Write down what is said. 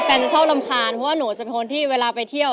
จะชอบรำคาญเพราะว่าหนูจะเป็นคนที่เวลาไปเที่ยว